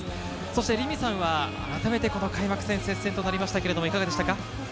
凛美さんはあらためてこの開幕戦、接戦となりましたけど、いかがでしたか？